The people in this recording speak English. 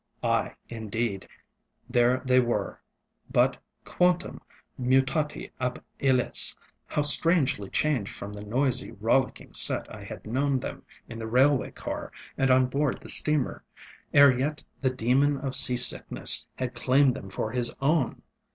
Ay, indeed, there they were; but quantum mutati ab illis! how strangely changed from the noisy, rollicking set I had known them in the railway car and on board the steamer, ere yet the demon of sea sickness had claimed them for his own!